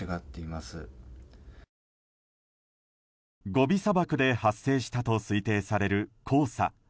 ゴビ砂漠で発生したと推定される黄砂。